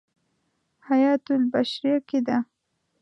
حیاة البشریة کې دی.